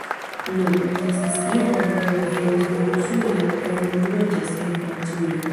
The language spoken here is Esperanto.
Nu, mi estas Jana kaj mi venas de Rusujo kaj nun loĝas en Francujo